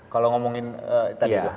kalau ngomongin tadi juga